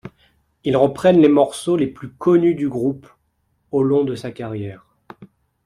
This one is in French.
Ils reprennent les morceaux les plus connus du groupe au long de sa carrière.